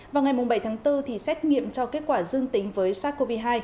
vào ngày bảy tháng bốn xét nghiệm cho kết quả dương tính với sars cov hai